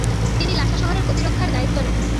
তিনি লাসা শহরের প্রতিরক্ষার দায়িত্ব নেন।